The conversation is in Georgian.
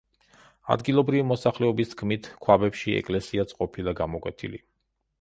ადგილობრივი მოსახელობის თქმით, ქვაბებში ეკლესიაც ყოფილა გამოკვეთილი.